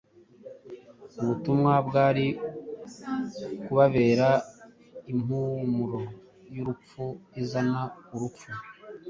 ubutumwa bwari kubabera impumuro y’urupfu izana urupfu.